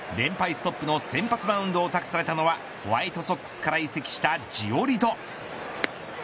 ストップの先発マウンドを託されたのはホワイトソックスから移籍したジオリト。